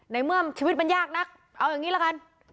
ในเมื่อชีวิตมันยากนักเอาอย่างนี้ละกัน